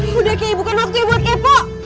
sudah kay bukan waktunya buat kepo